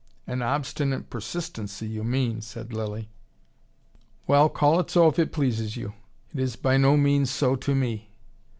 "An obstinate persistency, you mean," said Lilly. "Well, call it so if it pleases you. It is by no means so to me."